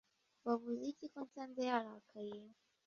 wavuze iki ko nsanze yarakaye?